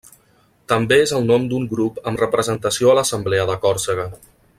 També és el nom d'un grup amb representació a l'Assemblea de Còrsega.